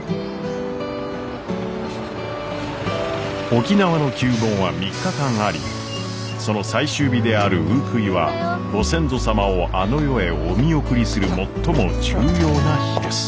沖縄の旧盆は３日間ありその最終日である「ウークイ」はご先祖様をあの世へお見送りする最も重要な日です。